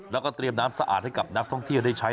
แล้วก็เตรียมน้ำสะอาดให้กับนักท่องเที่ยวได้ใช้